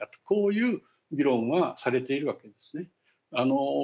こういう議論がされているわけなんですね。